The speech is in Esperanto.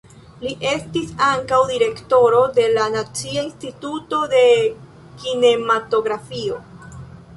Li estis ankaŭ direktoro de la Nacia Instituto de Kinematografio.